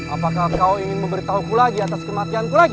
apakah kau ingin memberitahuku lagi atas kematianku lagi